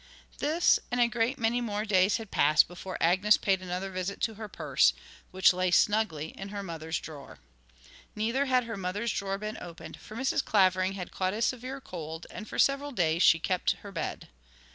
This and a great many more days had passed before Agnes paid another visit to her purse, which lay snugly in her mothers' drawer. Neither had her mother's drawer been opened, for Mrs. Clavering had caught a severe cold, and for several days she kept her bed.